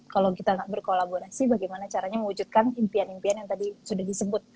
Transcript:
kalau kita gak berkolaborasi bagaimana caranya mewujudkan impian impian yang tadi sudah disebut